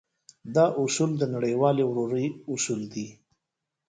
دا اصول د نړيوالې ورورۍ اصول دی.